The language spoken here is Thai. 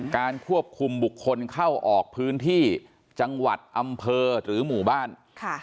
การควบคุมบุคคลเข้าออกพื้นที่จังหวัดอำเภอหรือหมู่บ้านค่ะ